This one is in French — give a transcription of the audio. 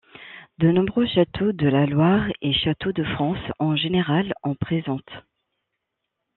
De nombreux châteaux de la Loire et châteaux de France en général en présentent.